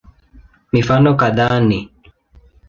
Mifano kadhaa ni